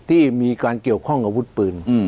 ที่มีการเกี่ยวข้องอาวุธปืน